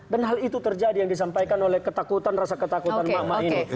dan hal itu terjadi yang disampaikan oleh ketakutan rasa ketakutan mama ini